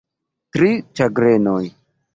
Tri ĉagrenoj.